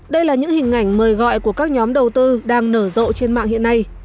đây là những hình ảnh mời gọi của các nhóm đầu tư đang nở rộ trên mạng hiện nay